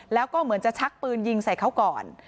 แล้วก็เหมือนจะชักปืนยิงใส่เขาก่อน